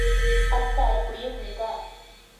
atska allquyuqmi kaa.